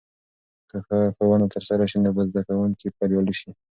که ښه ښوونه ترسره سي، نو به زده کونکي بريالي سي.